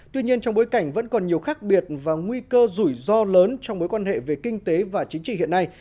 tuy nhiên trong bối cảnh vẫn còn nhiều khác biệt và nguy cơ rủi ro lớn trong mối quan hệ về kinh tế và chính trị hiện nay